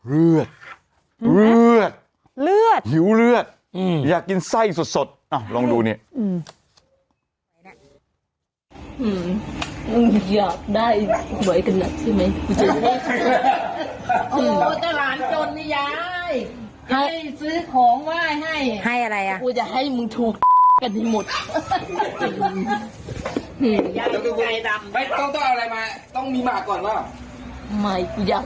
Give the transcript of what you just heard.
เลือดเลือดเลือดหิวเลือดอยากกินไส้สดลองดูเนี่ย